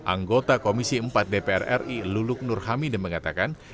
anggota komisi empat dpr ri luluk nur hamida mengatakan